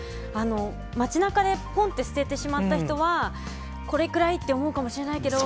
街なかでぽんって捨ててしまった人は、これくらいって思うかもしれないけど。